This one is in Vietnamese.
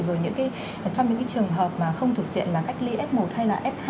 rồi trong những cái trường hợp mà không thực hiện là cách ly f một hay là f hai